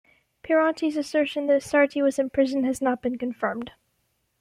Pironti's assertion that Sarti was in prison has not been confirmed.